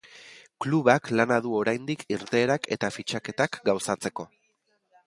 Klubak lana du oraindik irteerak eta fitxaketak gauzatzeko.